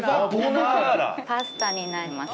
パスタになります。